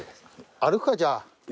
歩くかじゃあ。